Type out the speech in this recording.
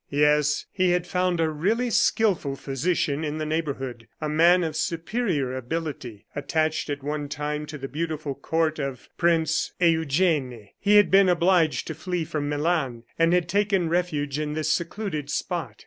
Yes; he had found a really skilful physician in the neighborhood, a man of superior ability. Attached at one time to the beautiful court of Prince Eugene, he had been obliged to flee from Milan, and had taken refuge in this secluded spot.